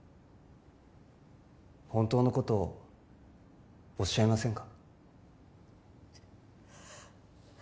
本当のことをおっしゃいませんか？